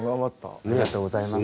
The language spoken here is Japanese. ありがとうございます。